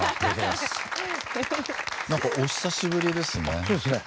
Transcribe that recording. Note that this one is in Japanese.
なんかお久しぶりですね。